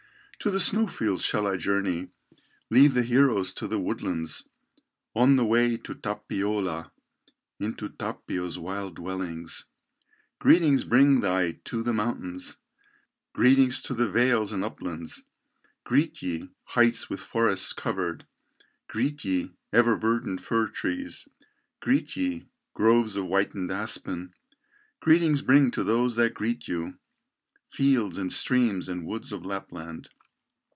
To the snow fields shall I journey, Leave the heroes to the woodlands, On the way to Tapiola, Into Tapio's wild dwellings. "Greeting bring I to the mountains, Greeting to the vales and uplands, Greet ye, heights with forests covered, Greet ye, ever verdant fir trees, Greet ye, groves of whitened aspen, Greetings bring to those that greet you, Fields, and streams, and woods of Lapland.